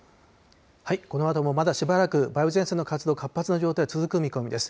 このあともまだしばらく梅雨前線の活動、活発な状態続く見込みです。